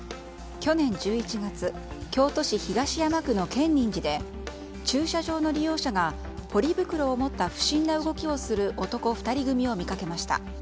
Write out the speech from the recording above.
去年１１月京都市東山区の建仁寺で駐車場の利用者がポリ袋を持った不審な動きをする男２人組を見かけました。